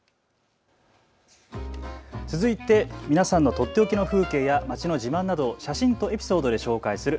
続いて皆さんのとっておきの風景や街の自慢などを写真とエピソードで紹介する＃